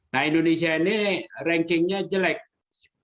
nah indonesia ini rankingnya jelek